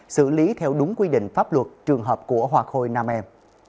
xử lý theo đúng quy định pháp luật trường hợp của hoa khôi nam em